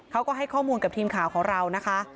เขาก็ให้ข้อมูลกับทีมข่าวของเรานะคะ